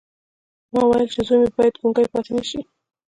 ما ویل چې زوی مې باید ګونګی پاتې نه شي